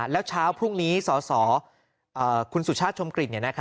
แล้วเช้าพรุ่งนี้สสคุณสุชาติชมกลิ่น